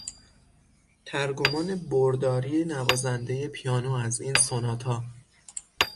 ترگمان برداری نوازندهی پیانو از این سوناتا